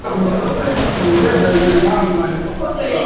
ambazo ni maarufu sana katika jamii yao